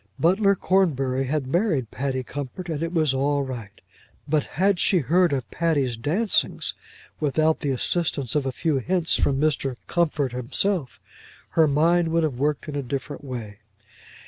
Butler Cornbury had married Patty Comfort and it was all right. But had she heard of Patty's dancings without the assistance of a few hints from Mr. Comfort himself, her mind would have worked in a different way.